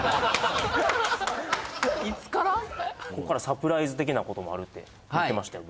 ここからサプライズ的なこともあるって言ってましたよ